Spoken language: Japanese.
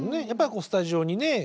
やっぱりスタジオにね